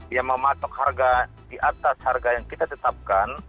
yang mematok harga di atas harga yang kita tetapkan